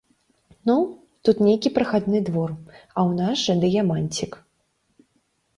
Ну, тут нейкі прахадны двор, а ў нас жа дыяманцік.